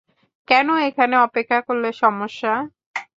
কেন এখনে অপেক্ষা করলে সমস্যা?